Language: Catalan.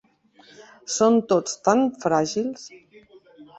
Són tots tan fràgils!